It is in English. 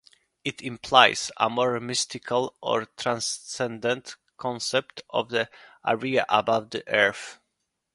It implies a more mystical or transcendent concept of the area above the Earth.